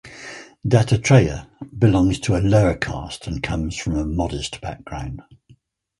Dattatreya belongs to a lower caste and comes from a modest background.